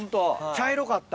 茶色かった？